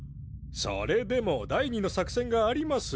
それでも第二の作戦があります。